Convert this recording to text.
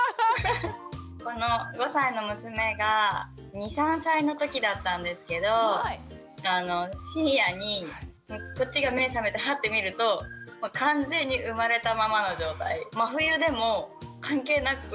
この５歳の娘が２３歳のときだったんですけど深夜にこっちが目覚めてハッて見ると真冬でも関係なく。